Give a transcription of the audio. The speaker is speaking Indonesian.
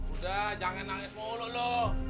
udah jangan nangis mulu loh